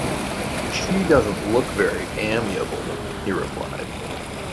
“She doesn’t look very amiable,” he replied.